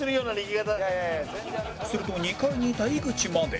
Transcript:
すると２階にいた井口まで